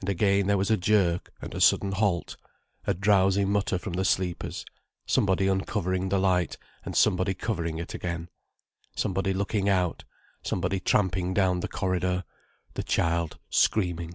And again there was a jerk and a sudden halt, a drowsy mutter from the sleepers, somebody uncovering the light, and somebody covering it again, somebody looking out, somebody tramping down the corridor, the child screaming.